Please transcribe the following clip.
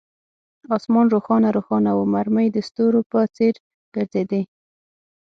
آسمان روښانه روښانه وو، مرمۍ د ستورو په څیر ګرځېدې.